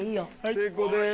成功です